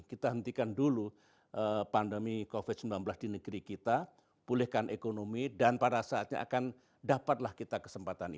kita hentikan dulu pandemi covid sembilan belas di negeri kita pulihkan ekonomi dan pada saatnya akan dapatlah kita kesempatan ini